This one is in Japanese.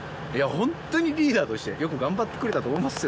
ホントにリーダーとしてよく頑張ってくれたと思いますよ